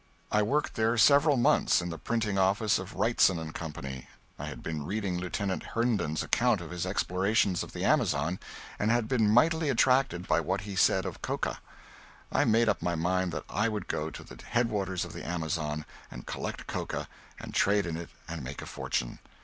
I worked there several months in the printing office of Wrightson and Company. I had been reading Lieutenant Herndon's account of his explorations of the Amazon and had been mightily attracted by what he said of coca. I made up my mind that I would go to the head waters of the Amazon and collect coca and trade in it and make a fortune.